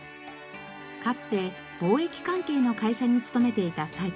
かつて貿易関係の会社に勤めていた齋藤さん。